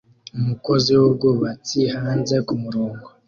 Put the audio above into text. Umukozi wubwubatsi hanze kumurongo